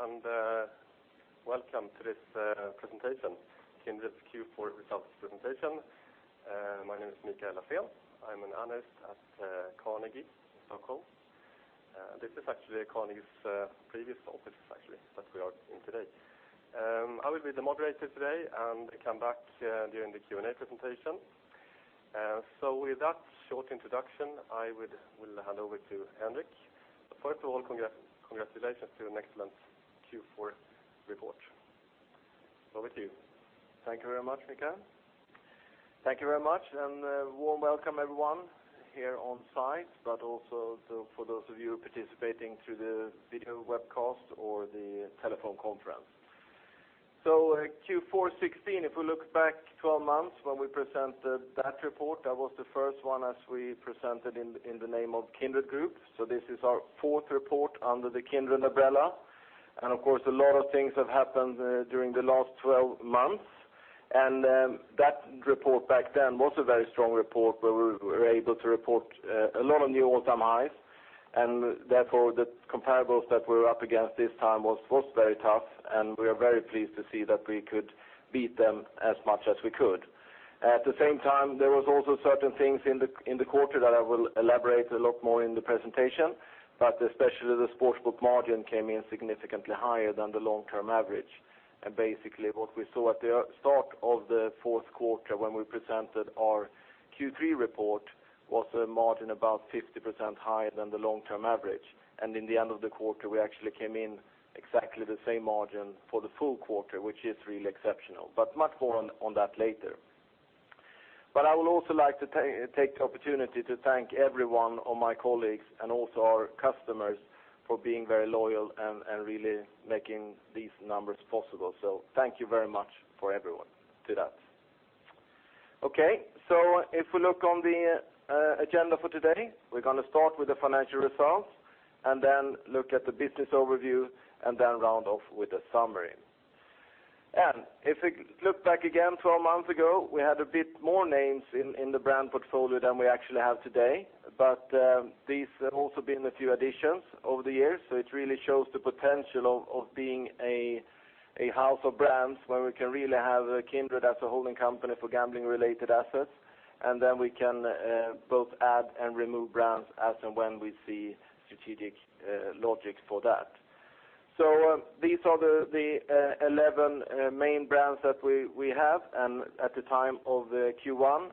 Good morning, and welcome to this presentation, Kindred's Q4 results presentation. My name is Mikael Laséen. I am an analyst at Carnegie in Stockholm. This is actually Carnegie's previous offices, actually, that we are in today. I will be the moderator today and come back during the Q&A presentation. With that short introduction, I will hand over to Henrik. First of all, congratulations to an excellent Q4 report. Over to you. Thank you very much, Mikael. Thank you very much, and a warm welcome everyone here on site, but also for those of you participating through the video webcast or the telephone conference. Q4 2016, if we look back 12 months when we presented that report, that was the first one as we presented in the name of Kindred Group. This is our fourth report under the Kindred umbrella, and of course, a lot of things have happened during the last 12 months. That report back then was a very strong report where we were able to report a lot of new all-time highs, and therefore the comparables that we were up against this time was very tough, and we are very pleased to see that we could beat them as much as we could. At the same time, there was also certain things in the quarter that I will elaborate a lot more in the presentation, but especially the Sportsbook margin came in significantly higher than the long-term average. Basically what we saw at the start of the fourth quarter when we presented our Q3 report was a margin about 50% higher than the long-term average. In the end of the quarter, we actually came in exactly the same margin for the full quarter, which is really exceptional. Much more on that later. I would also like to take the opportunity to thank every one of my colleagues and also our customers for being very loyal and really making these numbers possible. Thank you very much for everyone to that. Okay, if we look on the agenda for today, we are going to start with the financial results and then look at the business overview and then round off with a summary. If we look back again 12 months ago, we had a bit more names in the brand portfolio than we actually have today. There has also been a few additions over the years, so it really shows the potential of being a house of brands where we can really have Kindred as a holding company for gambling-related assets. Then we can both add and remove brands as and when we see strategic logics for that. These are the 11 main brands that we have, and at the time of Q1,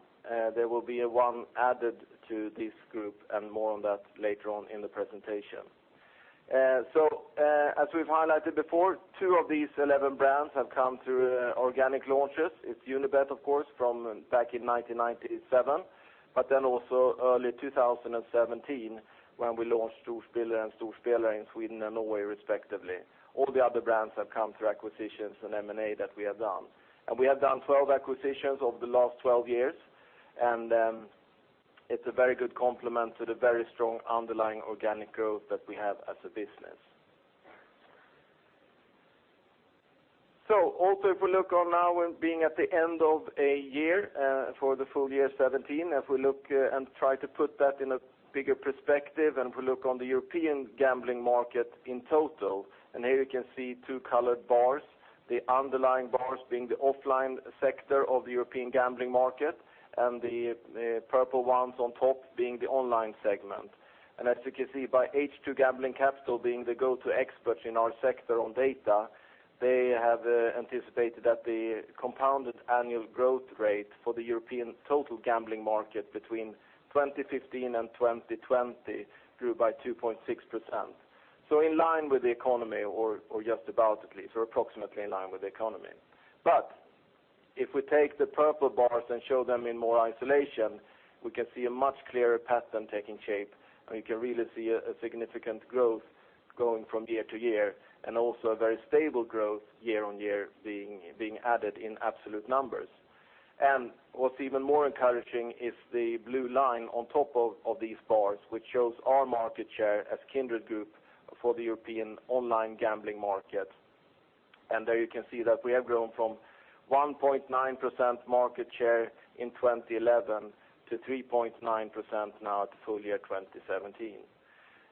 there will be one added to this group and more on that later on in the presentation. As we've highlighted before, two of these 11 brands have come through organic launches. It's Unibet, of course, from back in 1997. Also early 2017 when we launched Storspiller and Storspelare in Sweden and Norway respectively. All the other brands have come through acquisitions and M&A that we have done. We have done 12 acquisitions over the last 12 years, and it's a very good complement to the very strong underlying organic growth that we have as a business. Also if we look on now being at the end of a year for the full year 2017, if we look and try to put that in a bigger perspective and if we look on the European gambling market in total. Here you can see two colored bars, the underlying bars being the offline sector of the European gambling market and the purple ones on top being the online segment. As you can see by H2 Gambling Capital being the go-to experts in our sector on data, they have anticipated that the compounded annual growth rate for the European total gambling market between 2015 and 2020 grew by 2.6%. In line with the economy or just about at least, or approximately in line with the economy. If we take the purple bars and show them in more isolation, we can see a much clearer pattern taking shape. We can really see a significant growth going from year to year and also a very stable growth year on year being added in absolute numbers. What's even more encouraging is the blue line on top of these bars, which shows our market share as Kindred Group for the European online gambling market. There you can see that we have grown from 1.9% market share in 2011 to 3.9% now at full year 2017.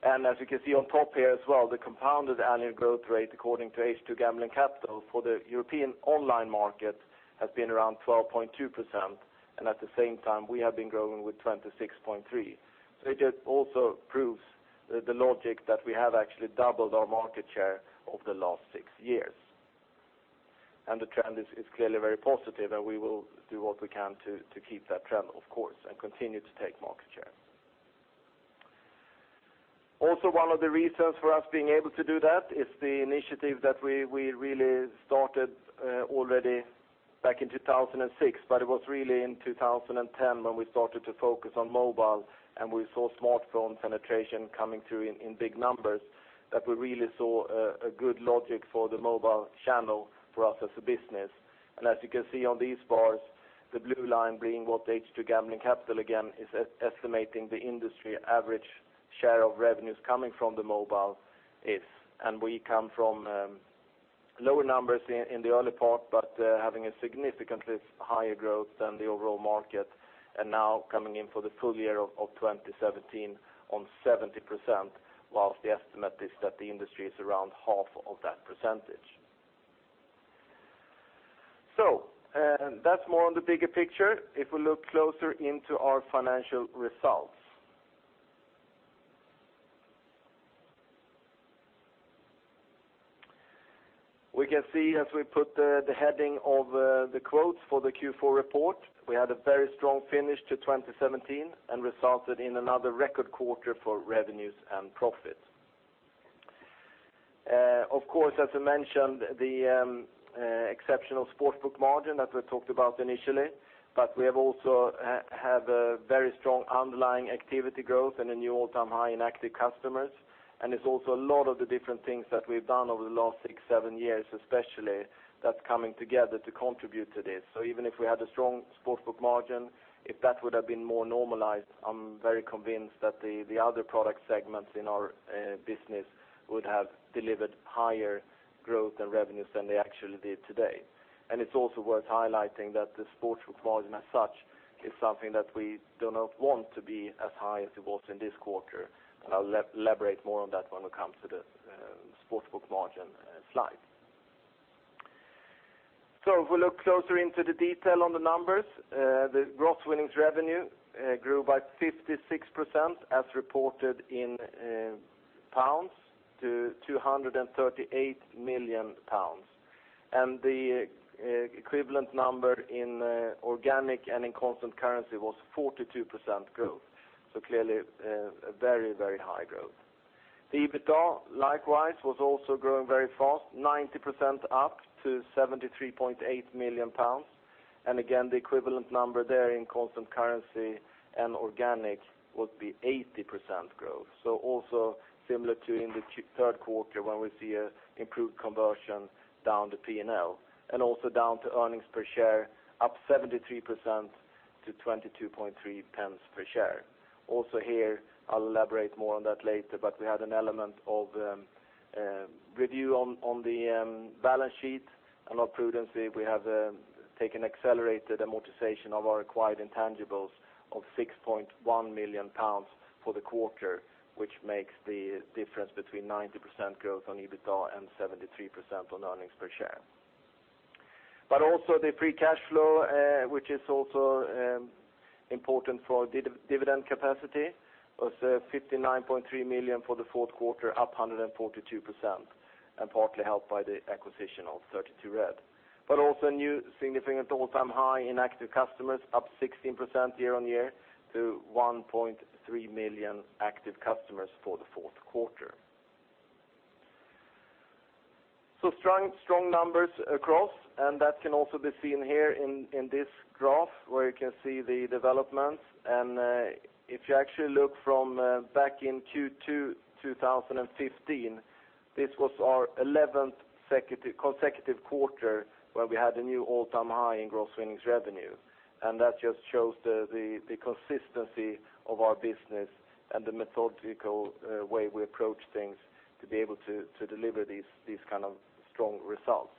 As you can see on top here as well, the compounded annual growth rate according to H2 Gambling Capital for the European online market has been around 12.2%, and at the same time we have been growing with 26.3%. It just also proves the logic that we have actually doubled our market share over the last six years. The trend is clearly very positive, and we will do what we can to keep that trend, of course, and continue to take market share. Also one of the reasons for us being able to do that is the initiative that we really started already back in 2006. It was really in 2010 when we started to focus on mobile and we saw smartphone penetration coming through in big numbers that we really saw a good logic for the mobile channel for us as a business. As you can see on these bars, the blue line being what H2 Gambling Capital again is estimating the industry average share of revenues coming from the mobile is, and we come from lower numbers in the early part, but having a significantly higher growth than the overall market, and now coming in for the full year of 2017 on 70%, whilst the estimate is that the industry is around half of that percentage. That's more on the bigger picture. If we look closer into our financial results, we can see, as we put the heading of the quotes for the Q4 report, we had a very strong finish to 2017 and resulted in another record quarter for revenues and profits. As I mentioned, the exceptional Sportsbook margin that we talked about initially, but we have also had a very strong underlying activity growth and a new all-time high in active customers. It's also a lot of the different things that we've done over the last six, seven years, especially, that's coming together to contribute to this. Even if we had a strong Sportsbook margin, if that would have been more normalized, I'm very convinced that the other product segments in our business would have delivered higher growth and revenues than they actually did today. It's also worth highlighting that the Sportsbook margin as such is something that we do not want to be as high as it was in this quarter, and I'll elaborate more on that when we come to the Sportsbook margin slide. If we look closer into the detail on the numbers, the gross winnings revenue grew by 56%, as reported in GBP, to 238 million pounds. The equivalent number in organic and in constant currency was 42% growth. Clearly, very high growth. The EBITDA, likewise, was also growing very fast, 90% up to 73.8 million pounds. Again, the equivalent number there in constant currency and organic would be 80% growth. Also similar to in the third quarter when we see an improved conversion down to P&L. Also down to earnings per share up 73% to 0.223 per share. Also here, I'll elaborate more on that later, but we had an element of review on the balance sheet and our prudency. We have taken accelerated amortization of our acquired intangibles of 6.1 million pounds for the quarter, which makes the difference between 90% growth on EBITDA and 73% on earnings per share. Also the free cash flow, which is also important for our dividend capacity, was 59.3 million for the fourth quarter, up 142%, and partly helped by the acquisition of 32Red. Also a new significant all-time high in active customers, up 16% year-on-year to 1.3 million active customers for the fourth quarter. Strong numbers across, and that can also be seen here in this graph, where you can see the developments. If you actually look from back in Q2 2015, this was our 11th consecutive quarter where we had a new all-time high in gross winnings revenue. That just shows the consistency of our business and the methodical way we approach things to be able to deliver these kind of strong results.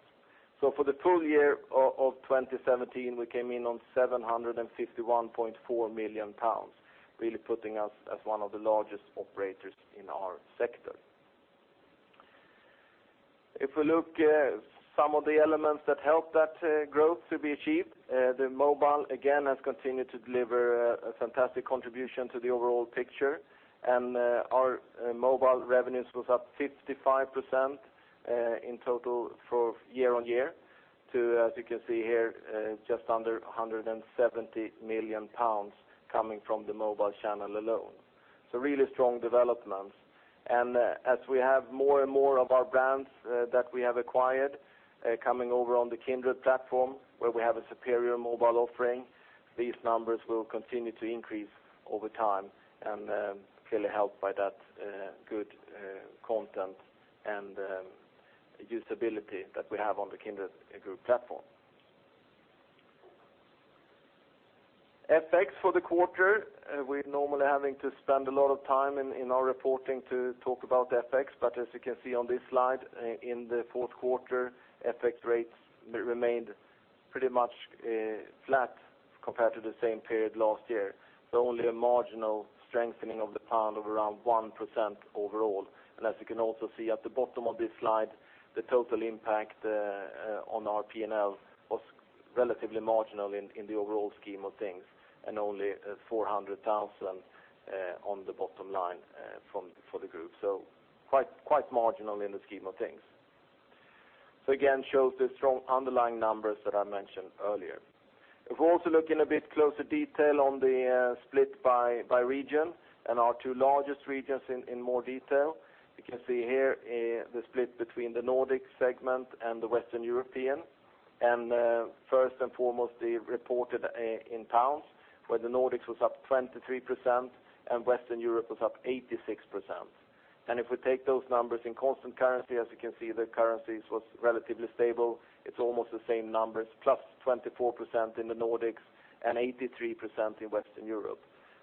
For the full year of 2017, we came in on 751.4 million pounds, really putting us as one of the largest operators in our sector. If we look at some of the elements that helped that growth to be achieved, the mobile, again, has continued to deliver a fantastic contribution to the overall picture, and our mobile revenues was up 55% in total for year-on-year to, as you can see here, just under 170 million pounds coming from the mobile channel alone. Really strong developments. As we have more and more of our brands that we have acquired coming over on the Kindred platform, where we have a superior mobile offering, these numbers will continue to increase over time and clearly helped by that good content and usability that we have on the Kindred Group platform. FX for the quarter, we're normally having to spend a lot of time in our reporting to talk about FX, as you can see on this slide, in the fourth quarter, FX rates remained pretty much flat compared to the same period last year. Only a marginal strengthening of the pound of around 1% overall. As you can also see at the bottom of this slide, the total impact on our P&L was relatively marginal in the overall scheme of things and only 400,000 on the bottom line for the group. Quite marginal in the scheme of things. Again, shows the strong underlying numbers that I mentioned earlier. If we also look in a bit closer detail on the split by region and our two largest regions in more detail, you can see here the split between the Nordic segment and the Western European, and first and foremost, the reported in pounds, where the Nordics was up 23% and Western Europe was up 86%. If we take those numbers in constant currency, as you can see, the currencies was relatively stable. It's almost the same numbers, plus 24% in the Nordics and 83% in Western Europe.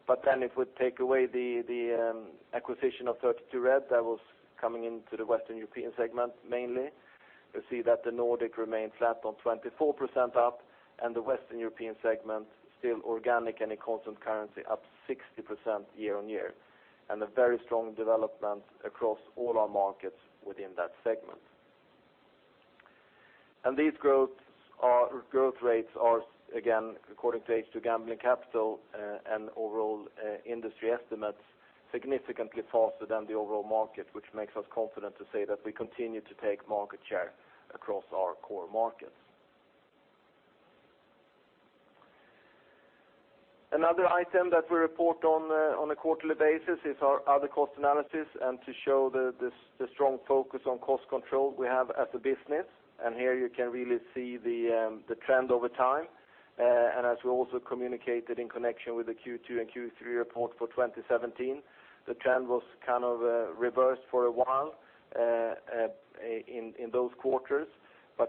If we take away the acquisition of 32Red, that was coming into the Western European segment mainly, we see that the Nordic remained flat on 24% up, and the Western European segment, still organic and in constant currency, up 60% year-on-year. A very strong development across all our markets within that segment. These growth rates are, again, according to H2 Gambling Capital and overall industry estimates, significantly faster than the overall market, which makes us confident to say that we continue to take market share across our core markets. Another item that we report on a quarterly basis is our other cost analysis and to show the strong focus on cost control we have as a business. Here you can really see the trend over time. As we also communicated in connection with the Q2 and Q3 report for 2017, the trend was kind of reversed for a while in those quarters.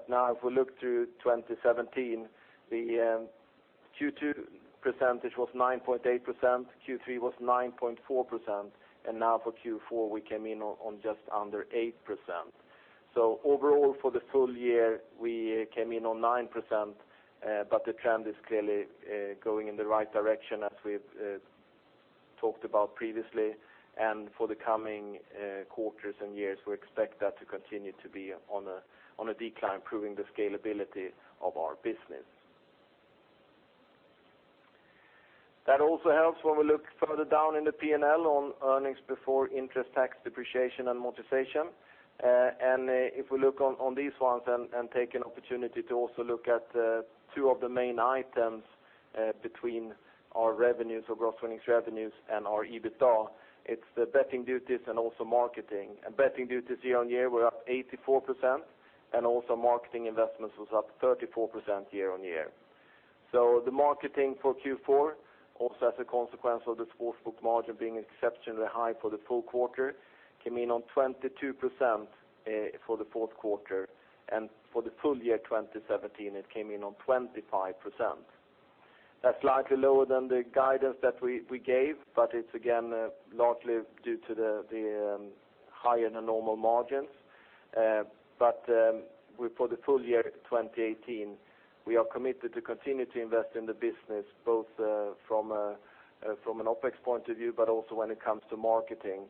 Now if we look to 2017, the Q2 percentage was 9.8%, Q3 was 9.4%, and now for Q4, we came in on just under 8%. Overall for the full year, we came in on 9%, the trend is clearly going in the right direction as we've talked about previously. For the coming quarters and years, we expect that to continue to be on a decline, proving the scalability of our business. That also helps when we look further down in the P&L on earnings before interest, tax, depreciation, and amortization. If we look on these ones and take an opportunity to also look at two of the main items between our revenues or gross winnings revenues and our EBITDA, it is the betting duties and also marketing. Betting duties year-on-year were up 84%, marketing investments was up 34% year-on-year. The marketing for Q4, also as a consequence of the sports book margin being exceptionally high for the full quarter, came in on 22% for the fourth quarter, and for the full year 2017, it came in on 25%. That is slightly lower than the guidance that we gave, it is again, largely due to the higher than normal margins. For the full year 2018, we are committed to continue to invest in the business both from an OpEx point of view, but also when it comes to marketing.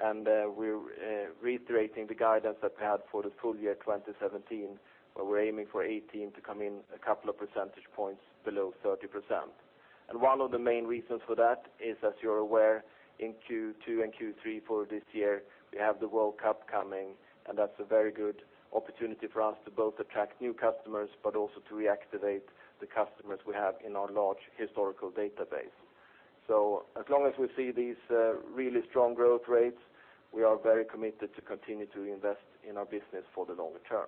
We are reiterating the guidance that we had for the full year 2017, where we are aiming for 2018 to come in a couple of percentage points below 30%. One of the main reasons for that is, as you are aware, in Q2 and Q3 for this year, we have the World Cup coming, that is a very good opportunity for us to both attract new customers, but also to reactivate the customers we have in our large historical database. As long as we see these really strong growth rates, we are very committed to continue to invest in our business for the longer term.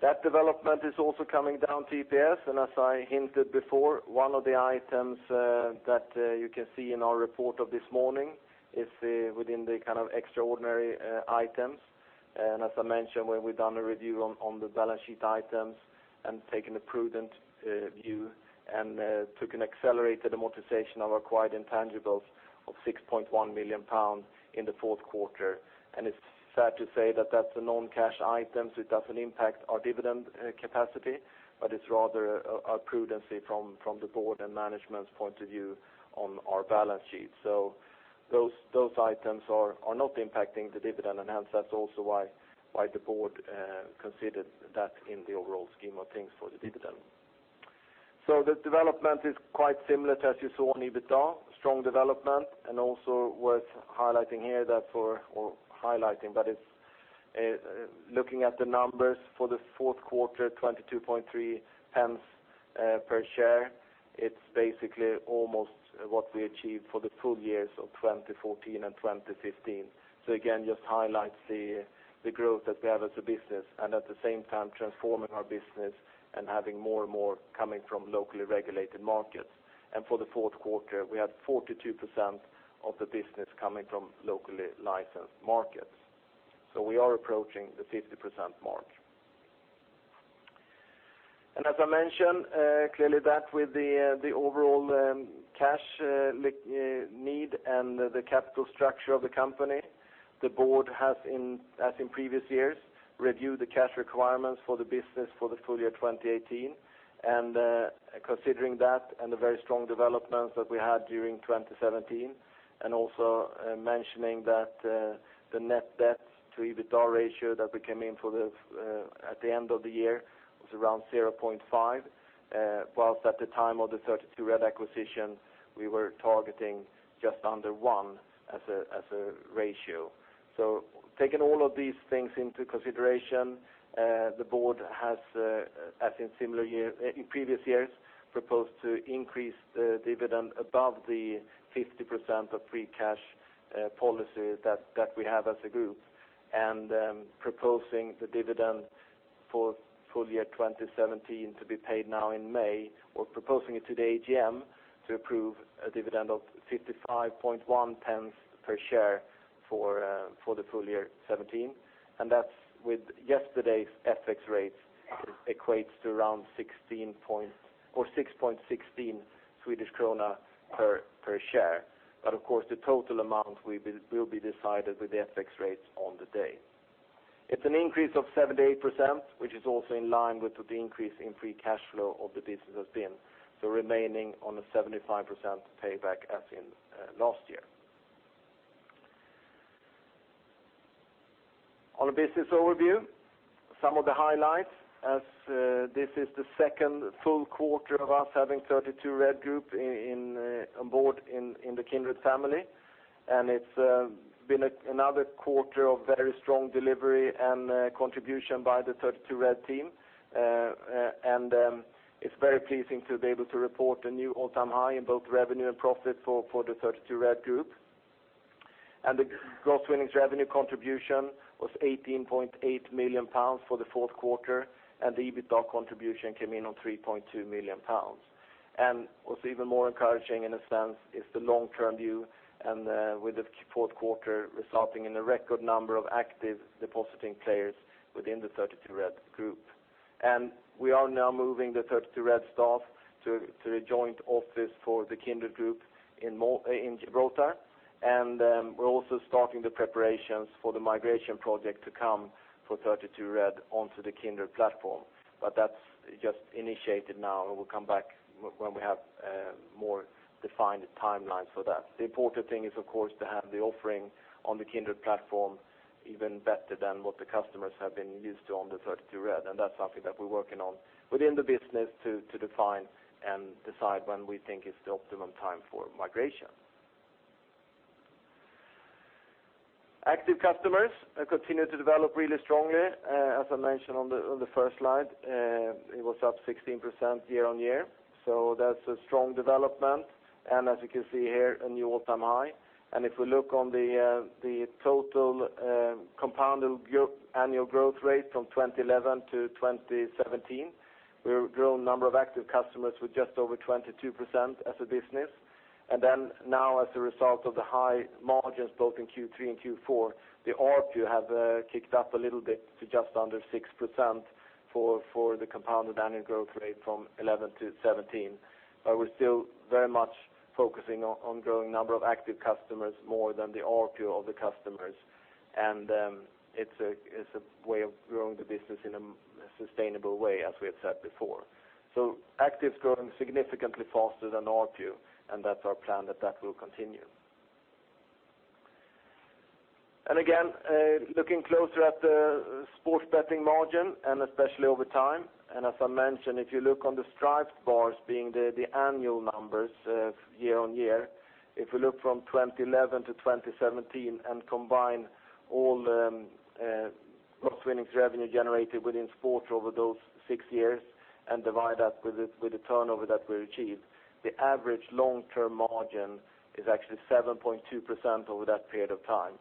That development is also coming down to EPS, as I hinted before, one of the items that you can see in our report of this morning is within the kind of extraordinary items. As I mentioned, when we have done a review on the balance sheet items and taken a prudent view and took an accelerated amortization of acquired intangibles of 6.1 million pounds in the fourth quarter. It is fair to say that that is a non-cash item, it does not impact our dividend capacity, it is rather a prudency from the board and management's point of view on our balance sheet. Those items are not impacting the dividend, hence that is also why the board considered that in the overall scheme of things for the dividend. The development is quite similar to as you saw on EBITDA, strong development, also worth highlighting here that is, looking at the numbers for the fourth quarter, 0.223 per share. It is basically almost what we achieved for the full years of 2014 and 2015. Again, just highlights the growth that we have as a business. At the same time transforming our business and having more and more coming from locally regulated markets. For the fourth quarter, we had 42% of the business coming from locally licensed markets. We are approaching the 50% mark. As I mentioned, clearly that with the overall cash need and the capital structure of the company, the board has, as in previous years, reviewed the cash requirements for the business for the full year 2018, considering that and the very strong developments that we had during 2017. Also mentioning that the net debt to EBITDA ratio that we came in at the end of the year was around 0.5, whilst at the time of the 32Red acquisition, we were targeting just under 1 as a ratio. Taking all of these things into consideration, the board has, as in previous years, proposed to increase the dividend above the 50% of free cash policy that we have as a group. Proposing the dividend for full year 2017 to be paid now in May. We are proposing it to the AGM to approve a dividend of 0.551 per share for the full year 2017, and that is with yesterday's FX rates, equates to around 6.16 Swedish krona per share. Of course, the total amount will be decided with the FX rates on the day. It is an increase of 78%, which is also in line with what the increase in free cash flow of the business has been. Remaining on a 75% payback as in last year. On a business overview, some of the highlights, as this is the second full quarter of us having 32Red group on board in the Kindred Group. It has been another quarter of very strong delivery and contribution by the 32Red team. It is very pleasing to be able to report a new all-time high in both revenue and profit for the 32Red group. The gross winnings revenue contribution was 18.8 million pounds for the fourth quarter, and the EBITDA contribution came in on 3.2 million pounds. What is even more encouraging in a sense, is the long-term view and with the fourth quarter resulting in a record number of active depositing players within the 32Red group. We are now moving the 32Red staff to a joint office for the Kindred Group in Gibraltar. We are also starting the preparations for the migration project to come for 32Red onto the Kindred platform. That is just initiated now, and we will come back when we have more defined timelines for that. The important thing is, of course, to have the offering on the Kindred platform even better than what the customers have been used to on the 32Red, and that is something that we are working on within the business to define and decide when we think is the optimum time for migration. Active customers continue to develop really strongly. As I mentioned on the first slide, it was up 16% year-on-year. That is a strong development. As you can see here, a new all-time high. If we look on the total compounded annual growth rate from 2011 to 2017, we have grown number of active customers with just over 22% as a business. Now, as a result of the high margins both in Q3 and Q4, the ARPU have kicked up a little bit to just under 6% for the compounded annual growth rate from 2011 to 2017. We're still very much focusing on growing number of active customers more than the ARPU of the customers. It's a way of growing the business in a sustainable way, as we have said before. Active is growing significantly faster than ARPU, and that's our plan that that will continue. Again, looking closer at the sports betting margin, especially over time, as I mentioned, if you look on the striped bars being the annual numbers year-over-year, if we look from 2011 to 2017 and combine all the gross winnings revenue generated within sports over those six years and divide that with the turnover that we achieved, the average long-term margin is actually 7.2% over that period of time.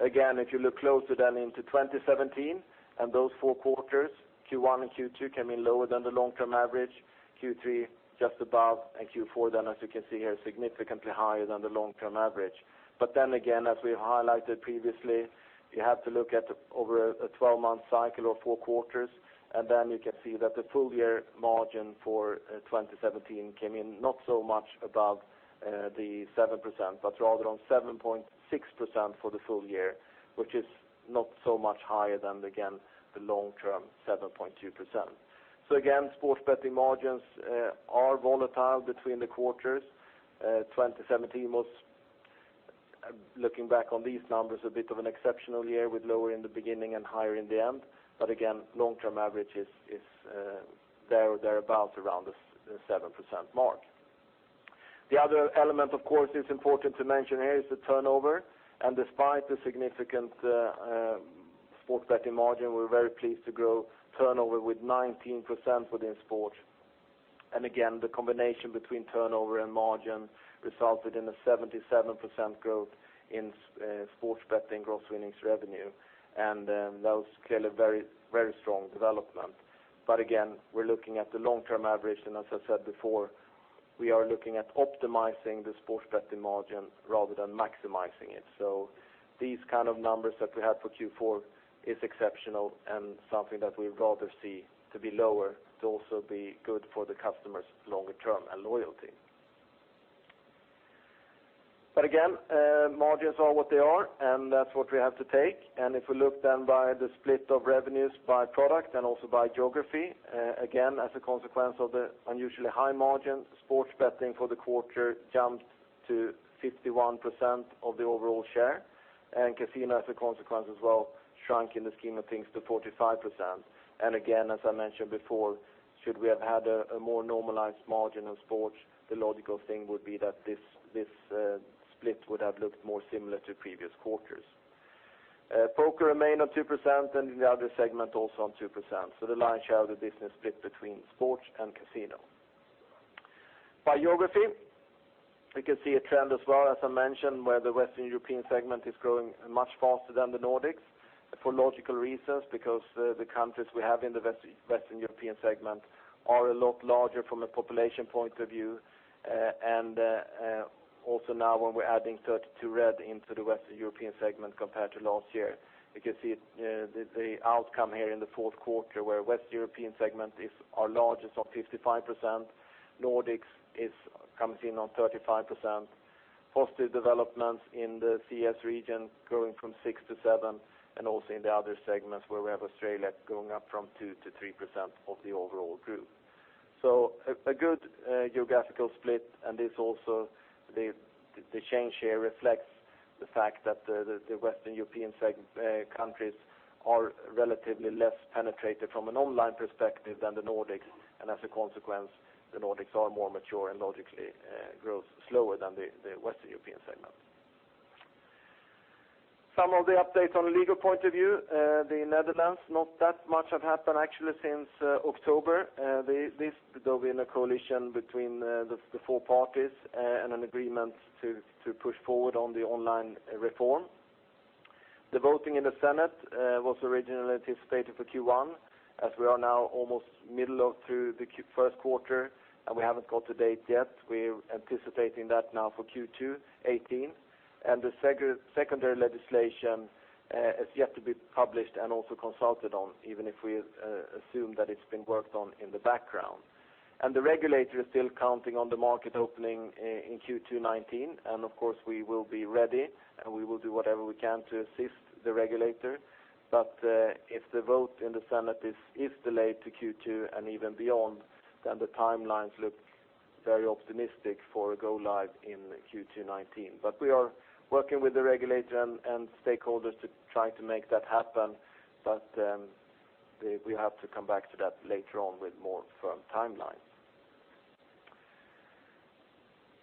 Again, if you look closer then into 2017 and those four quarters, Q1 and Q2 came in lower than the long-term average, Q3 just above, Q4 then, as you can see here, significantly higher than the long-term average. Again, as we highlighted previously, you have to look at over a 12-month cycle or four quarters, then you can see that the full-year margin for 2017 came in not so much above the 7%, but rather on 7.6% for the full year, which is not so much higher than, again, the long-term 7.2%. Again, sports betting margins are volatile between the quarters. 2017 was, looking back on these numbers, a bit of an exceptional year with lower in the beginning and higher in the end. Again, long-term average is there or thereabout around the 7% mark. The other element, of course, that's important to mention here is the turnover. Despite the significant sports betting margin, we're very pleased to grow turnover with 19% within sports. Again, the combination between turnover and margin resulted in a 77% growth in sports betting gross winnings revenue, that was clearly very strong development. Again, we're looking at the long-term average, as I said before, we are looking at optimizing the sports betting margin rather than maximizing it. These kind of numbers that we have for Q4 is exceptional and something that we would rather see to be lower to also be good for the customers longer term and loyalty. Again, margins are what they are, and that's what we have to take. If we look then by the split of revenues by product and also by geography, again, as a consequence of the unusually high margin, sports betting for the quarter jumped to 51% of the overall share. Casino, as a consequence as well, shrunk in the scheme of things to 45%. Again, as I mentioned before, should we have had a more normalized margin on sports, the logical thing would be that this split would have looked more similar to previous quarters. Poker remained on 2% and the other segment also on 2%. The lion's share of the business split between sports and casino. By geography, we can see a trend as well, as I mentioned, where the Western European segment is growing much faster than the Nordics. For logical reasons, because the countries we have in the Western European segment are a lot larger from a population point of view. Also now when we're adding 32Red into the Western European segment compared to last year. You can see the outcome here in the fourth quarter, where Western European segment is our largest on 55%, Nordics comes in on 35%, positive developments in the CES region, growing from 6% to 7%, and also in the other segments where we have Australia going up from 2% to 3% of the overall group. A good geographical split, and this also, the change here reflects the fact that the Western European countries are relatively less penetrated from an online perspective than the Nordics, and as a consequence, the Nordics are more mature and logically grow slower than the Western European segment. Some of the updates on the legal point of view, the Netherlands, not that much has happened actually since October. There'll be a coalition between the four parties and an agreement to push forward on the online reform. The voting in the Senate was originally anticipated for Q1. As we are now almost middle through the first quarter, and we haven't got a date yet, we're anticipating that now for Q2 2018. The secondary legislation is yet to be published and also consulted on, even if we assume that it's been worked on in the background. The regulator is still counting on the market opening in Q2 2019, and of course, we will be ready, and we will do whatever we can to assist the regulator. If the vote in the Senate is delayed to Q2 and even beyond, then the timelines look very optimistic for a go live in Q2 2019. We are working with the regulator and stakeholders to try to make that happen, but we have to come back to that later on with more firm timelines.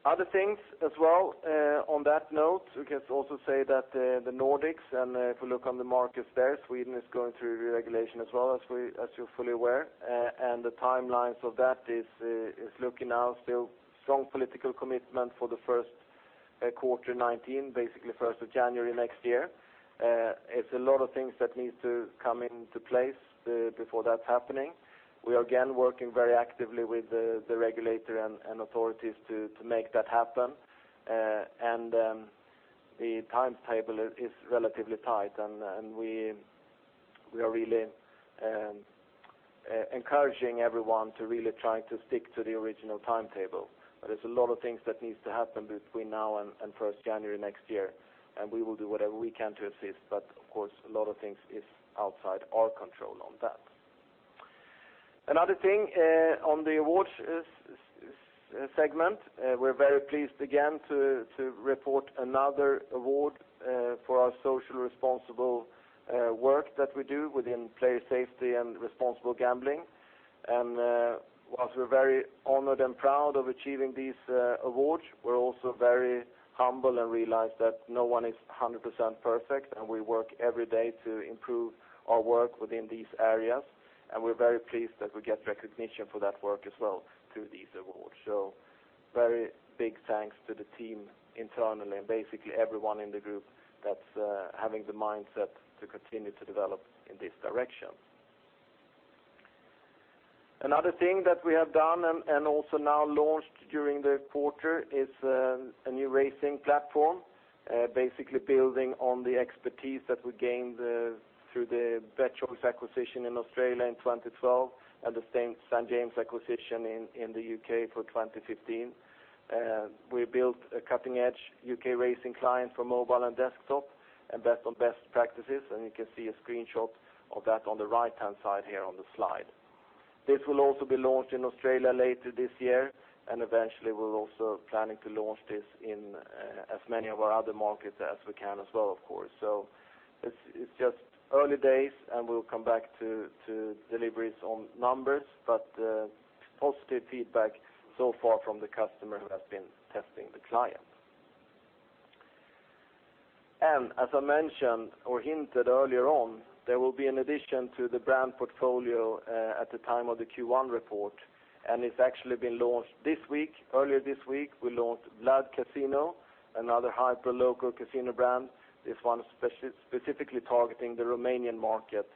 Other things as well, on that note, we can also say that the Nordics and if we look on the markets there, Sweden is going through regulation as well as you're fully aware, and the timelines for that is looking now still strong political commitment for the first quarter 2019, basically 1st of January next year. It's a lot of things that need to come into place before that's happening. We are again working very actively with the regulator and authorities to make that happen, and the timetable is relatively tight, and we are really encouraging everyone to really try to stick to the original timetable. There's a lot of things that needs to happen between now and 1st January next year, and we will do whatever we can to assist, but of course, a lot of things is outside our control on that. Another thing on the awards segment, we're very pleased again to report another award for our social responsible work that we do within player safety and responsible gambling. Whilst we're very honored and proud of achieving these awards, we're also very humble and realize that no one is 100% perfect, and we work every day to improve our work within these areas. We're very pleased that we get recognition for that work as well through these awards. Very big thanks to the team internally, basically everyone in the group that's having the mindset to continue to develop in this direction. Another thing that we have done and also now launched during the quarter is a new racing platform, basically building on the expertise that we gained through the Betchoice acquisition in Australia in 2012, and the Stan James acquisition in the U.K. for 2015. We built a cutting-edge U.K. racing client for mobile and desktop based on best practices, and you can see a screenshot of that on the right-hand side here on the slide. This will also be launched in Australia later this year, and eventually we're also planning to launch this in as many of our other markets as we can as well, of course. It's just early days, and we'll come back to deliveries on numbers, but positive feedback so far from the customer who has been testing the client. As I mentioned or hinted earlier on, there will be an addition to the brand portfolio at the time of the Q1 report, and it's actually been launched this week. Earlier this week, we launched Vlad Cazino, another hyper-local casino brand. This one specifically targeting the Romanian market,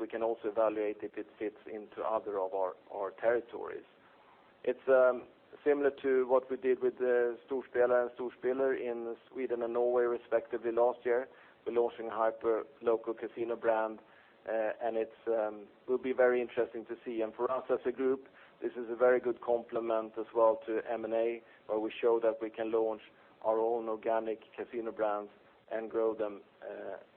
we can also evaluate if it fits into other of our territories. It's similar to what we did with the Storspelare and Storspiller in Sweden and Norway respectively last year. We're launching a hyper-local casino brand, and it will be very interesting to see. For us as a group, this is a very good complement as well to M&A, where we show that we can launch our own organic casino brands and grow them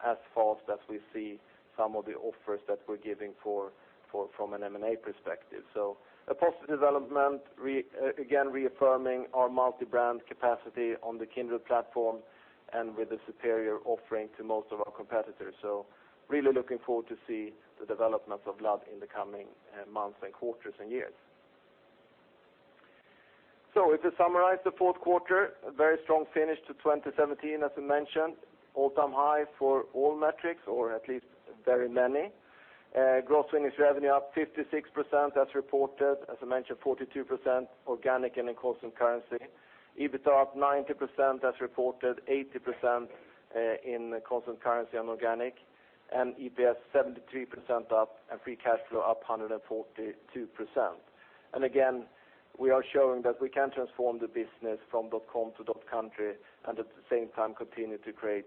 as fast as we see some of the offers that we're giving from an M&A perspective. A positive development, again reaffirming our multi-brand capacity on the Kindred platform and with a superior offering to most of our competitors. Really looking forward to see the development of Vlad in the coming months and quarters and years. If we summarize the fourth quarter, a very strong finish to 2017, as I mentioned, all-time high for all metrics, or at least very many. Gross winnings revenue up 56% as reported. As I mentioned, 42% organic and in constant currency. EBITDA up 90% as reported, 80% in constant currency and organic. EPS 73% up, and free cash flow up 142%. Again, we are showing that we can transform the business from .com to .country, and at the same time continue to create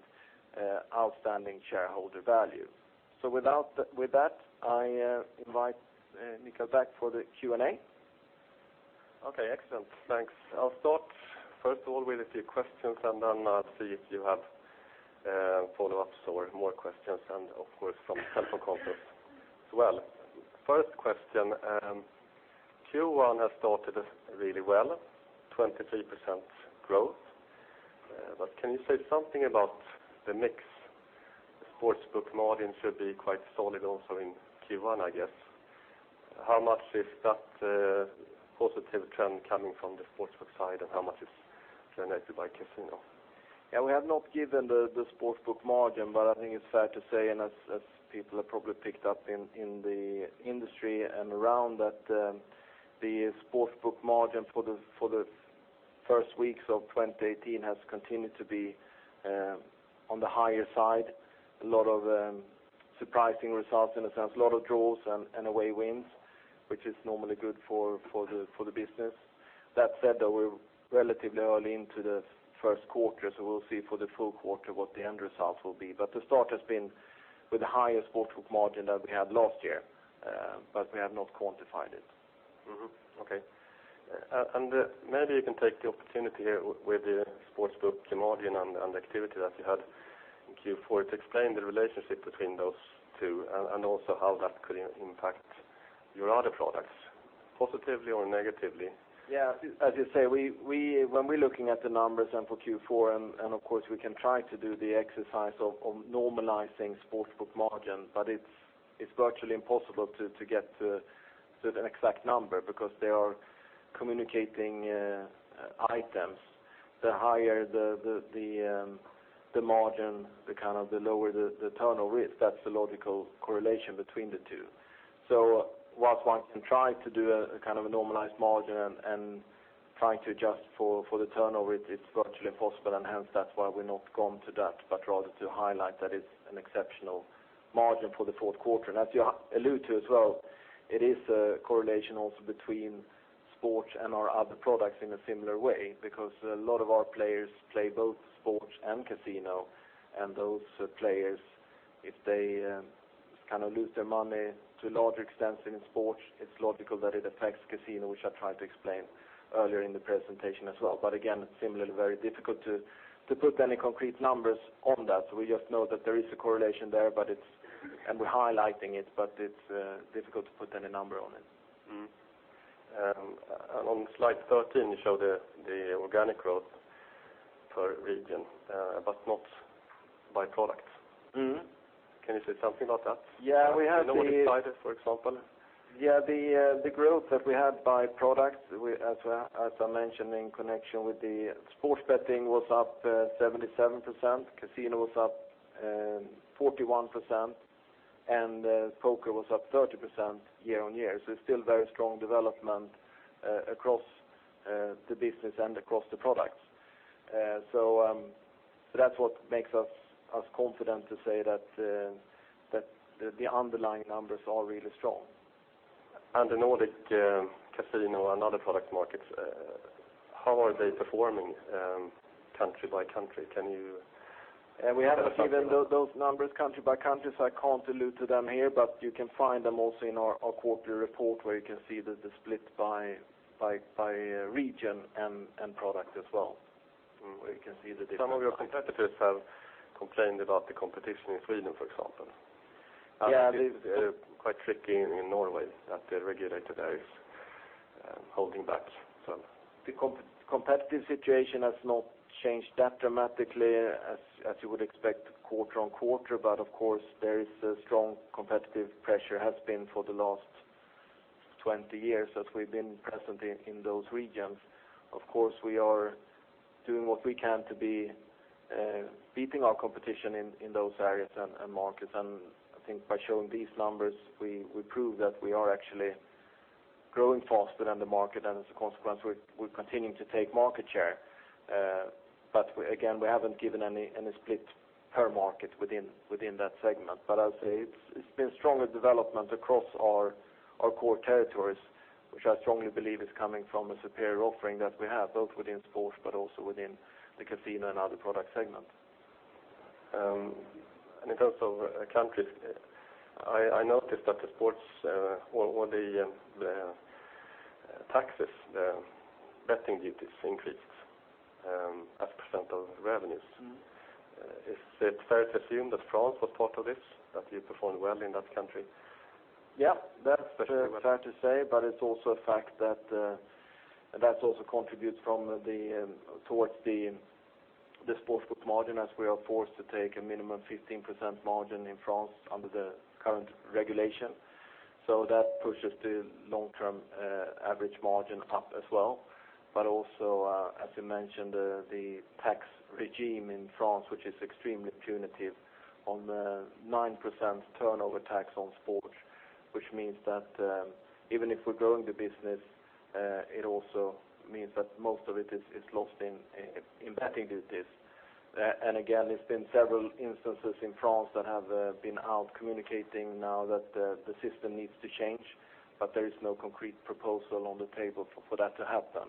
outstanding shareholder value. With that, I invite Mikael back for the Q&A. Okay, excellent. Thanks. I'll start first of all with a few questions, then I'll see if you have follow-ups or more questions, and of course, from telephone conference as well. First question, Q1 has started really well, 23% growth. Can you say something about the mix? The sports book margin should be quite solid also in Q1, I guess. How much is that positive trend coming from the sports book side, and how much is generated by casino? Yeah, we have not given the sports book margin, I think it's fair to say, and as people have probably picked up in the industry and around, that the sports book margin for the first weeks of 2018 has continued to be on the higher side. A lot of surprising results, in a sense, a lot of draws and away wins, which is normally good for the business. That said, though, we're relatively early into the first quarter, so we'll see for the full quarter what the end results will be. The start has been with the highest sports book margin that we had last year, but we have not quantified it. Mm-hmm. Okay. Maybe you can take the opportunity here with the sports book margin and the activity that you had in Q4 to explain the relationship between those two, and also how that could impact your other products, positively or negatively. Yeah. As you say, when we're looking at the numbers then for Q4, of course we can try to do the exercise of normalizing sports book margin, but it's virtually impossible to get to an exact number, because they are communicating items. The higher the margin, the lower the turnover is. That's the logical correlation between the two. Whilst one can try to do a kind of a normalized margin and try to adjust for the turnover, it's virtually impossible, and hence that's why we've not gone to that, but rather to highlight that it's an exceptional margin for the fourth quarter. As you allude to as well, it's a correlation also between sports and our other products in a similar way, because a lot of our players play both sports and casino, and those players, if they kind of lose their money to a larger extent in sports, it's logical that it affects casino, which I tried to explain earlier in the presentation as well. Again, it's similarly very difficult to put any concrete numbers on that. We just know that there is a correlation there, and we're highlighting it, but it's difficult to put any number on it. Mm-hmm. On slide 13, you show the organic growth per region, but not by products. Can you say something about that? Yeah, we have. Can you divide it, for example? Yeah, the growth that we had by products, as I mentioned in connection with the sports betting, was up 77%, casino was up 41%, and poker was up 30% year on year. It's still very strong development across the business and across the products. That's what makes us confident to say that the underlying numbers are really strong. The Nordic casino and other product markets, how are they performing country by country? Can you? We haven't given those numbers country by country, I can't allude to them here, you can find them also in our corporate report where you can see the split by region and product as well, where you can see the difference. Some of your competitors have complained about the competition in Sweden, for example. Yeah. It's quite tricky in Norway that the regulator there is holding back some. The competitive situation has not changed that dramatically as you would expect quarter on quarter. Of course, there is a strong competitive pressure, has been for the last 20 years that we've been present in those regions. Of course, we are doing what we can to be beating our competition in those areas and markets. I think by showing these numbers, we prove that we are actually growing faster than the market, and as a consequence, we're continuing to take market share. Again, we haven't given any split per market within that segment. I'll say it's been stronger development across our core territories, which I strongly believe is coming from a superior offering that we have, both within sports but also within the casino and other product segment. In terms of countries, I noticed that the sports or the taxes, the betting duties increased as % of revenues. Is it fair to assume that France was part of this, that you performed well in that country? Yeah, that's fair to say, but it's also a fact that that also contributes towards the sports book margin, as we are forced to take a minimum 15% margin in France under the current regulation. That pushes the long-term average margin up as well. Also, as you mentioned, the tax regime in France, which is extremely punitive on the 9% turnover tax on sports, which means that even if we're growing the business, it also means that most of it is lost in betting duties. Again, there's been several instances in France that have been out communicating now that the system needs to change, but there is no concrete proposal on the table for that to happen.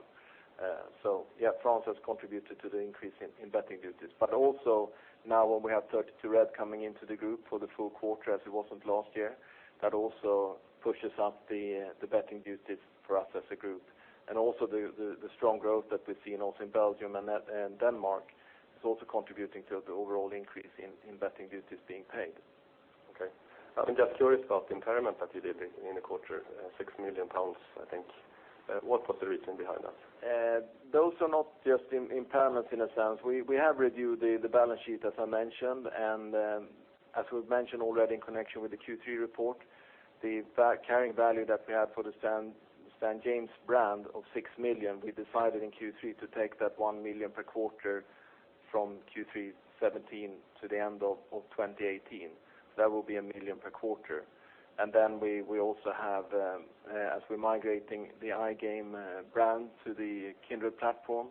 Yes, France has contributed to the increase in betting duties. Also now when we have 32Red coming into the group for the full quarter, as it wasn't last year, that also pushes up the betting duties for us as a group. Also the strong growth that we've seen also in Belgium and Denmark is also contributing to the overall increase in betting duties being paid. Okay. I'm just curious about the impairment that you did in the quarter, 6 million pounds, I think. What was the reason behind that? Those are not just impairments in a sense. We have reviewed the balance sheet, as I mentioned, as we've mentioned already in connection with the Q3 report, the carrying value that we had for the Stan James brand of 6 million, we decided in Q3 to take that 1 million per quarter from Q3 2017 to the end of 2018. That will be 1 million per quarter. We also have, as we're migrating the iGame brand to the Kindred platform,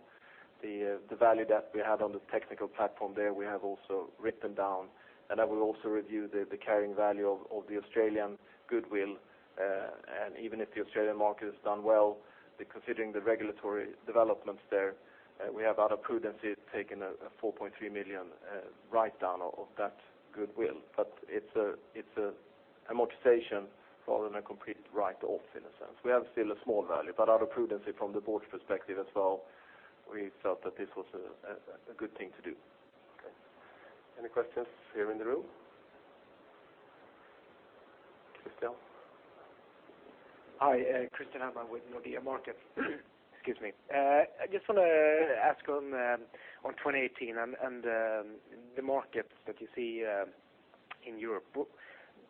the value that we had on the technical platform there, we have also written down. We also reviewed the carrying value of the Australian goodwill. Even if the Australian market has done well, considering the regulatory developments there, we have out of prudence taken a 4.3 million write-down of that goodwill. It's an amortization rather than a complete write-off in a sense. We have still a small value, but out of prudence from the board's perspective as well, we felt that this was a good thing to do. Okay. Any questions here in the room? Christian? Hi, Christian Albert with Nordea Markets. Excuse me. I just want to ask on 2018 and the markets that you see in Europe,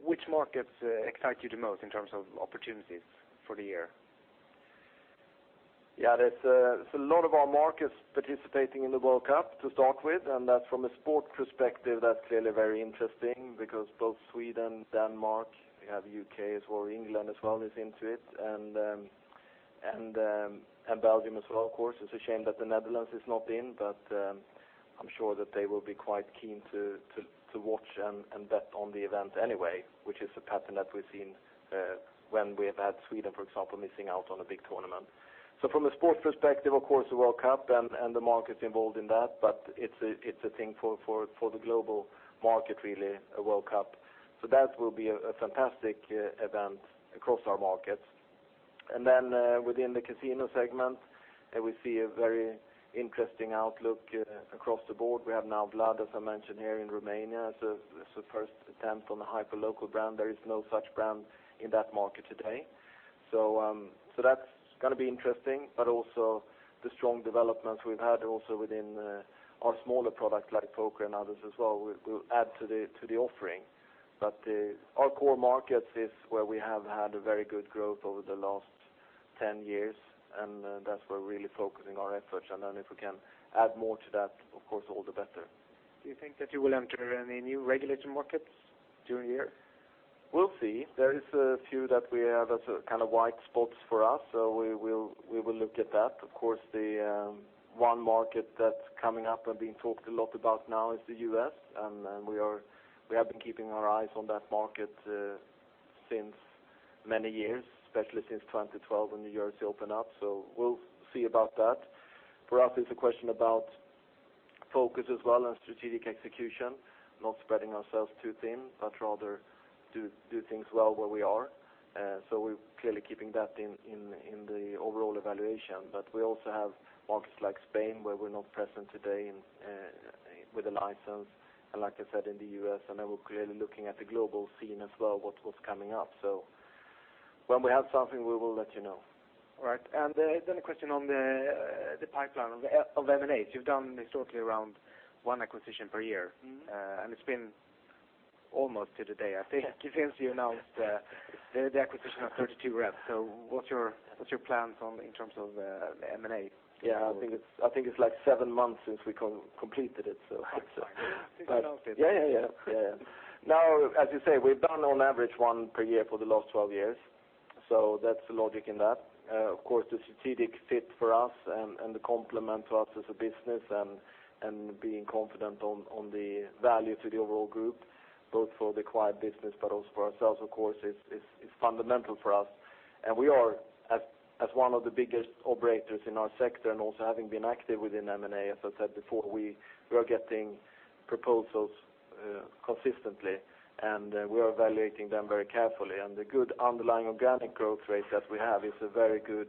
which markets excite you the most in terms of opportunities for the year? Yes. There's a lot of our markets participating in the World Cup, to start with. That from a sport perspective, that's clearly very interesting because both Sweden, Denmark, we have U.K. as well, or England as well is into it, and Belgium as well, of course. It's a shame that the Netherlands is not in, but I'm sure that they will be quite keen to watch and bet on the event anyway, which is a pattern that we've seen when we have had Sweden, for example, missing out on a big tournament. From a sports perspective, of course, the World Cup and the markets involved in that, but it's a thing for the global market really, a World Cup. That will be a fantastic event across our markets. Within the casino segment, we see a very interesting outlook across the board. We have now Vlad, as I mentioned, here in Romania as a first attempt on the hyperlocal brand. There is no such brand in that market today. That's going to be interesting, but also the strong developments we've had also within our smaller products like poker and others as well will add to the offering. Our core markets is where we have had a very good growth over the last 10 years, and that's where we're really focusing our efforts. If we can add more to that, of course, all the better. Do you think that you will enter any new regulated markets during the year? We'll see. There is a few that we have as kind of white spots for us. We will look at that. Of course, the one market that's coming up and being talked a lot about now is the U.S., and we have been keeping our eyes on that market since many years, especially since 2012 when New Jersey opened up. We'll see about that. For us, it's a question about focus as well and strategic execution, not spreading ourselves too thin, but rather do things well where we are. We're clearly keeping that in the overall evaluation. But we also have markets like Spain where we're not present today with a license, and like I said, in the U.S., and then we're clearly looking at the global scene as well, what's coming up. When we have something, we will let you know. All right. A question on the pipeline of M&A. You've done historically around one acquisition per year, and it's been almost to the day, I think, since you announced the acquisition of 32Red. What's your plans in terms of M&A? Yes, I think it's seven months since we completed it. Since you announced it. Yes. As you say, we've done on average one per year for the last 12 years, so that's the logic in that. Of course, the strategic fit for us and the complement to us as a business and being confident on the value to the overall group, both for the acquired business, but also for ourselves, of course, is fundamental for us. We are, as one of the biggest operators in our sector and also having been active within M&A, as I said before, we are getting proposals consistently, and we are evaluating them very carefully. The good underlying organic growth rate that we have is a very good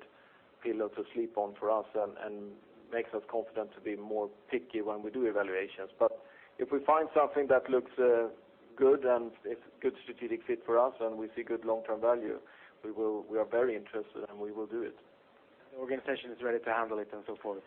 pillow to sleep on for us and makes us confident to be more picky when we do evaluations. If we find something that looks good and it's a good strategic fit for us and we see good long-term value, we are very interested, and we will do it. The organization is ready to handle it and so forth.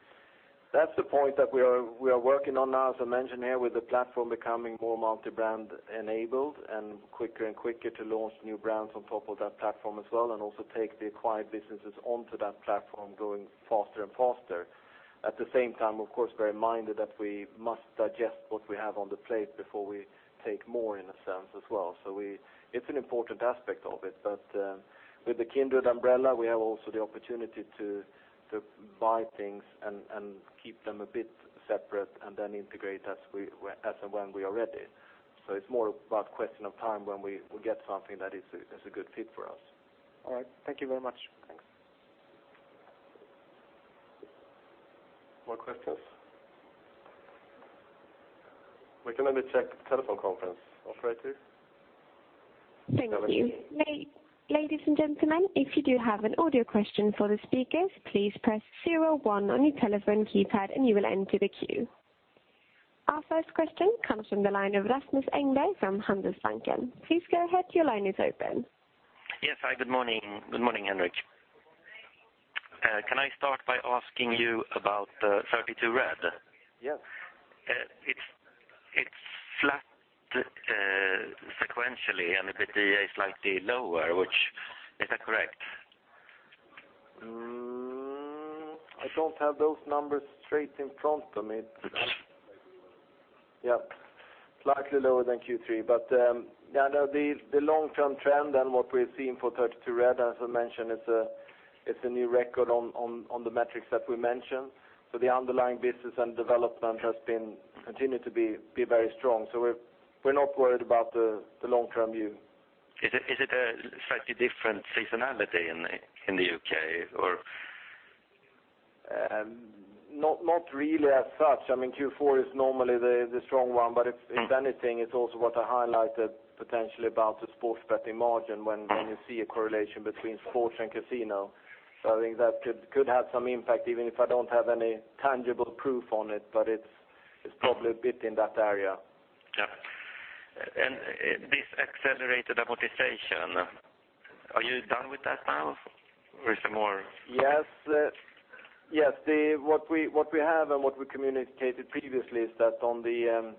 That's the point that we are working on now, as I mentioned here, with the Platform becoming more multi-brand enabled and quicker and quicker to launch new brands on top of that Platform as well, and also take the acquired businesses onto that Platform going faster and faster. At the same time, of course, very minded that we must digest what we have on the plate before we take more in a sense as well. It's an important aspect of it. With the Kindred umbrella, we have also the opportunity to buy things and keep them a bit separate and then integrate as and when we are ready. It's more about question of time when we get something that is a good fit for us. All right. Thank you very much. Thanks. More questions? We can maybe check the telephone conference operator. Thank you. Ladies and gentlemen, if you do have an audio question for the speakers, please press 01 on your telephone keypad and you will enter the queue. Our first question comes from the line of Rasmus Engberg from Handelsbanken. Please go ahead, your line is open. Yes. Hi, good morning. Good morning, Henrik. Can I start by asking you about 32Red? Yes. It's flat sequentially and EBITDA is slightly lower, is that correct? I don't have those numbers straight in front of me. Slightly lower than Q3, but the long-term trend and what we're seeing for 32Red, as I mentioned, it's a new record on the metrics that we mentioned. The underlying business and development has continued to be very strong. We're not worried about the long-term view. Is it a slightly different seasonality in the U.K. or? Not really as such. Q4 is normally the strong one, but if anything, it's also what I highlighted potentially about the sports betting margin when you see a correlation between sports and casino. I think that could have some impact even if I don't have any tangible proof on it, but it's probably a bit in that area. Yeah. This accelerated amortization, are you done with that now or is there more? Yes. What we have and what we communicated previously is that on the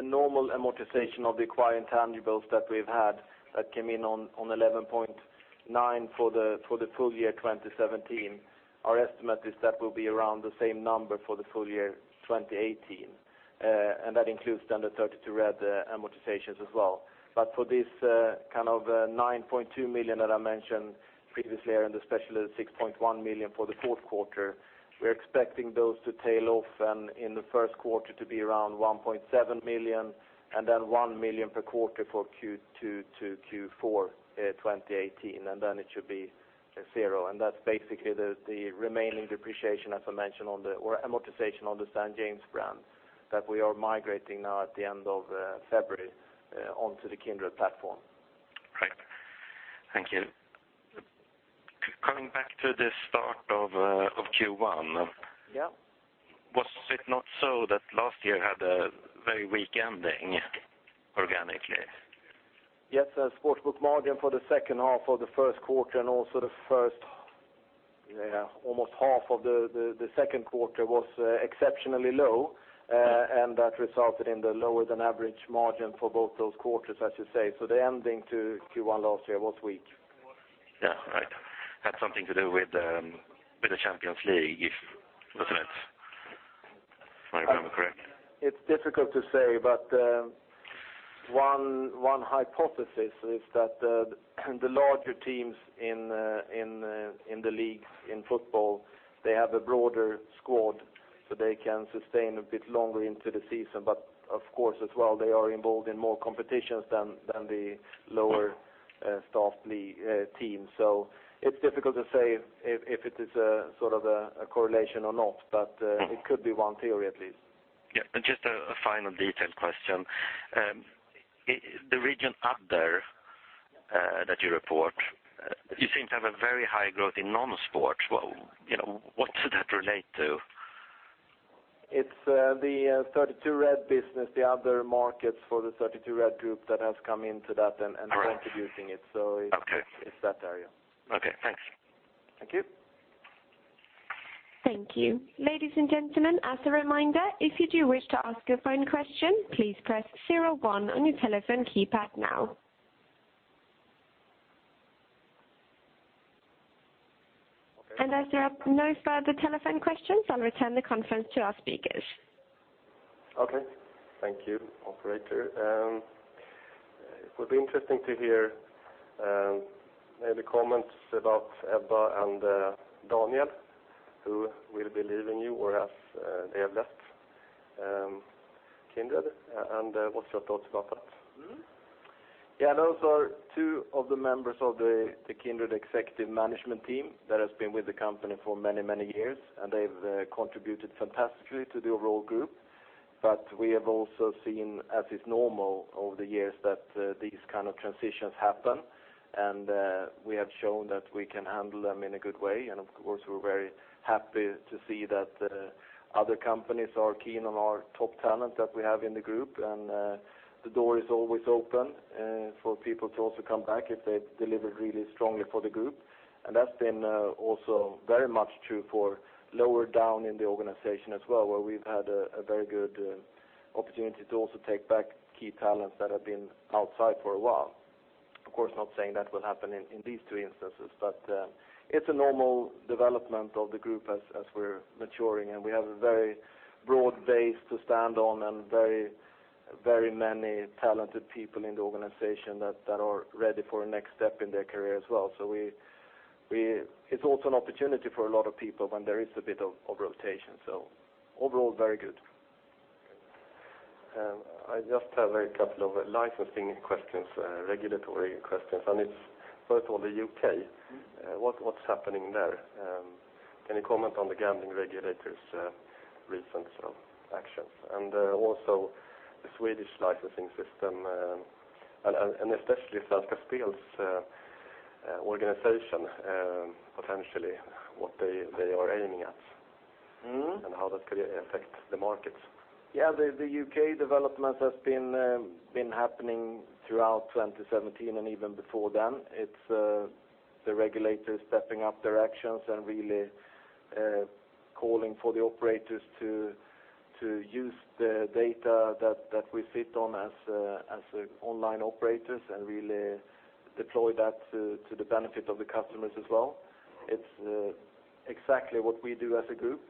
normal amortization of the acquired intangibles that we've had that came in on 11.9 for the full year 2017, our estimate is that will be around the same number for the full year 2018. That includes standard 32Red amortizations as well. For this kind of 9.2 million that I mentioned previously, and especially the 6.1 million for the fourth quarter, we're expecting those to tail off and in the first quarter to be around 1.7 million and then 1 million per quarter for Q2 to Q4 2018, and then it should be zero. That's basically the remaining depreciation as I mentioned, or amortization on the Stan James brand that we are migrating now at the end of February onto the Kindred platform. Right. Thank you. Coming back to the start of Q1. Yeah Was it not so that last year had a very weak ending organically? The sportsbook margin for the second half of the first quarter and also the first almost half of the second quarter was exceptionally low, and that resulted in the lower than average margin for both those quarters, as you say. The ending to Q1 last year was weak. Yeah. Right. Had something to do with the Champions League, wasn't it? If I remember correct. It's difficult to say, but one hypothesis is that the larger teams in the leagues in football, they have a broader squad, so they can sustain a bit longer into the season. Of course as well, they are involved in more competitions than the lower staffed teams. It's difficult to say if it is a correlation or not, but it could be one theory at least. Yeah. Just a final detailed question. The region Other that you report, you seem to have a very high growth in non-sports. What should that relate to? It's the 32Red business, the other markets for the 32Red group that has come into that and contributing it. Okay. It's that area. Okay, thanks. Thank you. Thank you. Ladies and gentlemen, as a reminder, if you do wish to ask a phone question, please press 01 on your telephone keypad now. As there are no further telephone questions, I will return the conference to our speakers. Okay. Thank you, operator. It would be interesting to hear maybe comments about Ebba and Daniel, who will be leaving you or as they have left Kindred, and what's your thoughts about that? Those are two of the members of the Kindred executive management team that has been with the company for many, many years, and they've contributed fantastically to the overall group. We have also seen, as is normal over the years, that these kind of transitions happen, and we have shown that we can handle them in a good way. Of course, we're very happy to see that other companies are keen on our top talent that we have in the group, and the door is always open for people to also come back if they've delivered really strongly for the group. That's been also very much true for lower down in the organization as well, where we've had a very good opportunity to also take back key talents that have been outside for a while. Of course, not saying that will happen in these two instances. It's a normal development of the group as we're maturing, and we have a very broad base to stand on, and very many talented people in the organization that are ready for a next step in their career as well. It's also an opportunity for a lot of people when there is a bit of rotation. Overall, very good. Okay. I just have a couple of licensing questions, regulatory questions. It's first of all the U.K. What's happening there? Any comment on the gambling regulators' recent actions, also the Swedish licensing system, especially Svenska Spel's organization, potentially what they are aiming at, how that could affect the markets? The U.K. development has been happening throughout 2017 and even before then. It's the regulators stepping up their actions and really calling for the operators to use the data that we sit on as online operators and really deploy that to the benefit of the customers as well. It's exactly what we do as a group.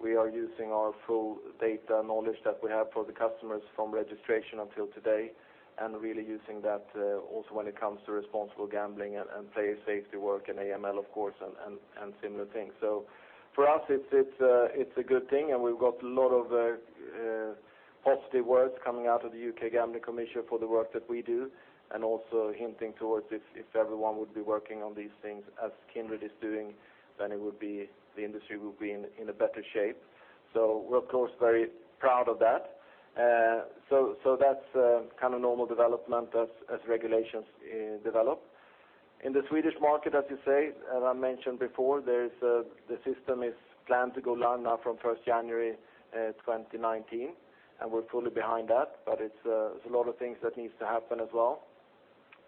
We are using our full data knowledge that we have for the customers from registration until today, and really using that also when it comes to responsible gambling and player safety work and AML, of course, and similar things. For us, it's a good thing, and we've got a lot of positive words coming out of the U.K. Gambling Commission for the work that we do, and also hinting towards if everyone would be working on these things as Kindred is doing, then the industry would be in a better shape. We're, of course, very proud of that. That's kind of normal development as regulations develop. In the Swedish market, as you say, as I mentioned before, the system is planned to go live now from 1st January 2019, and we're fully behind that. But there's a lot of things that needs to happen as well.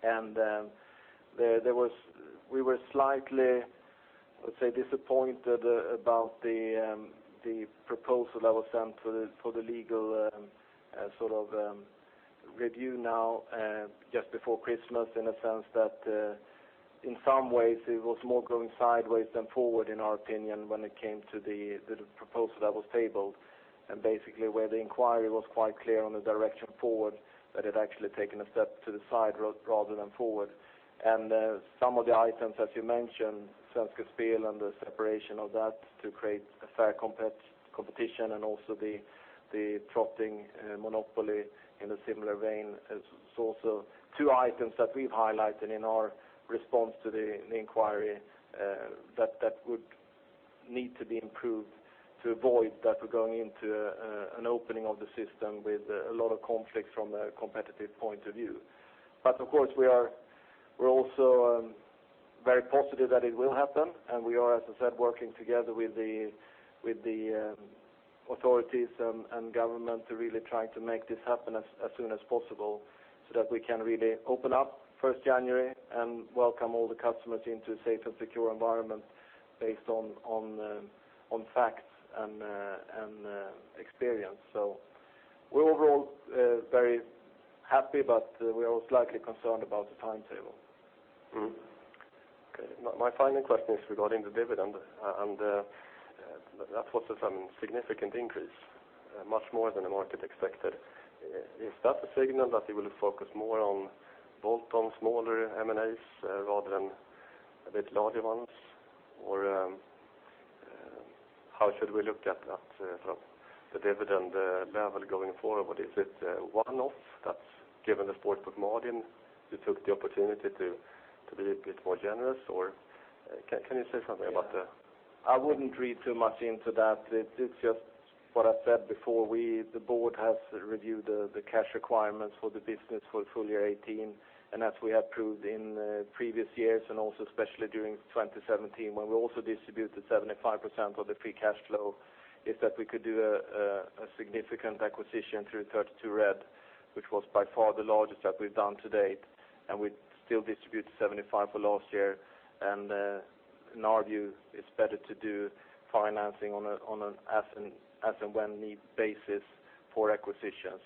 And we were slightly, I would say, disappointed about the proposal that was sent for the legal sort of review now just before Christmas in the sense that in some ways it was more going sideways than forward, in our opinion, when it came to the proposal that was tabled. And basically where the inquiry was quite clear on the direction forward, that it actually taken a step to the side rather than forward. And some of the items, as you mentioned, Svenska Spel and the separation of that to create a fair competition, and also the trotting monopoly in a similar vein is also two items that we've highlighted in our response to the inquiry that would need to be improved to avoid that we're going into an opening of the system with a lot of conflict from a competitive point of view. But of course, we're also very positive that it will happen, and we are, as I said, working together with the authorities and government to really try to make this happen as soon as possible, so that we can really open up 1st January and welcome all the customers into a safe and secure environment based on facts and experience. We're overall very happy, but we are slightly concerned about the timetable. My final question is regarding the dividend, and that was some significant increase, much more than the market expected. Is that a signal that you will focus more on bolt-on smaller M&As rather than a bit larger ones? Or how should we look at that from the dividend level going forward? Is it a one-off that given the Sportsbook margin, you took the opportunity to be a bit more generous? Or can you say something about that? I wouldn't read too much into that. It's just what I said before. The board has reviewed the cash requirements for the business for full year 2018. As we have proved in previous years and also especially during 2017, when we also distributed 75% of the free cash flow, is that we could do a significant acquisition through 32Red, which was by far the largest that we've done to date, and we still distributed 75 for last year. In our view, it's better to do financing on an as and when need basis for acquisition.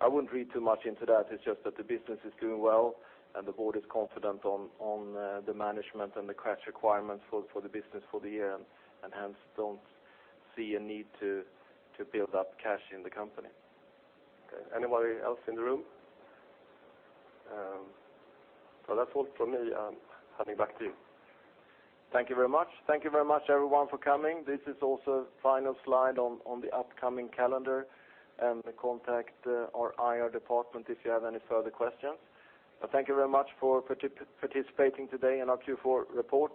I wouldn't read too much into that. It's just that the business is doing well, and the board is confident on the management and the cash requirements for the business for the year, hence don't see a need to build up cash in the company. Okay. Anybody else in the room? No, that's all from me. Handing back to you. Thank you very much. Thank you very much, everyone, for coming. This is also final slide on the upcoming calendar. Contact our IR department if you have any further questions. Thank you very much for participating today in our Q4 report.